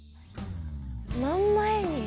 真ん前に。